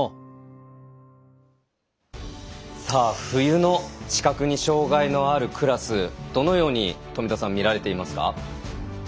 冬の視覚に障がいのあるクラスどのように富田さん見られていますか？